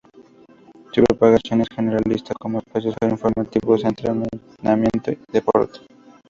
Su programación es generalista con espacios informativos, entretenimiento y deporte.